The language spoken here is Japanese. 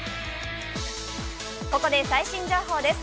ここで最新情報です。